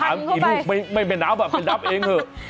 แต่ถ้าถามอีกลูกไม่เป็นน้ำเป็นนับเองเถอะ